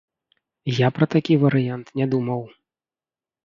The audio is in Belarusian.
Я пра такі варыянт не думаў.